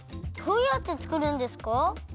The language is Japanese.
どうやってつくるんですか？